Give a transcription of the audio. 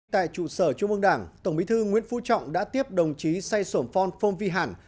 tại trụ sở trung ương đảng tổng bí thư nguyễn phú trọng đã tiếp đồng chí say sổm phon phong phong vi hẳn